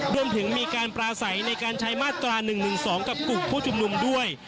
รวมถึงมีการปราศัยในการใช้มาตรา๑๑๒กับกลุ่มผู้ชุมนุมด้วย